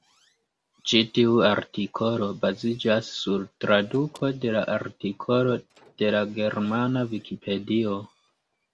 Ĉi-tiu artikolo baziĝas sur traduko de la artikolo de la germana vikipedio.